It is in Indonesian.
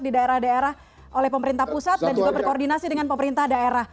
di daerah daerah oleh pemerintah pusat dan juga berkoordinasi dengan pemerintah daerah